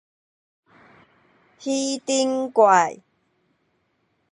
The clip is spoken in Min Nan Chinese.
魚藤怪